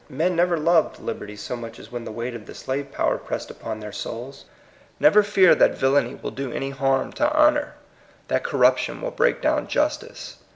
Men never loved liberty so much as when the weight of the slave power pressed upon their souls. Never fear that villany will do any harm to honor, that corruption will break down justice.